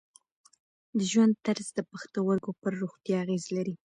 د ژوند طرز د پښتورګو پر روغتیا اغېز لري.